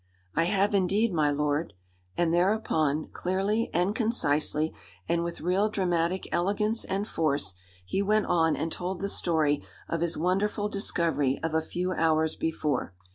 "I have indeed, my lord." And thereupon, clearly and concisely, and with real dramatic elegance and force, he went on and told the story of his wonderful discovery of a few hours before.